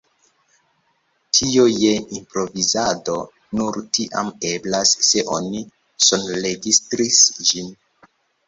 Tio je improvizado nur tiam eblas, se oni sonregistris ĝin.